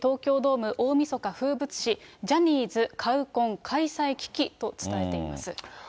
毎年東京ドーム、大みそか風物詩、ジャニーズカウコン開催危機と伝えています。